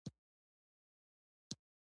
د سپي ټوله شپه د کلا ساتنه وکړه.